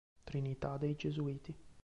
Trinità dei Gesuiti.